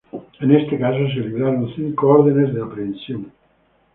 En este caso se libraron cinco ordenes aprehensión.